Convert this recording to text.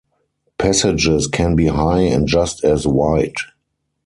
Passages can be high and just as wide.